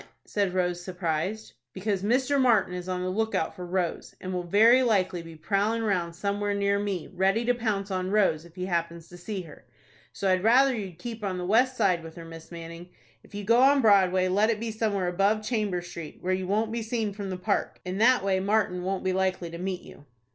said Rose, surprised. "Because Mr. Martin is on the lookout for Rose, and will very likely be prowling round somewhere near me, ready to pounce on Rose if he happens to see her. So I'd rather you'd keep on the west side with her Miss Manning. If you go on Broadway, let it be somewhere above Chamber Street, where you won't be seen from the Park. In that way Martin won't be likely to meet you."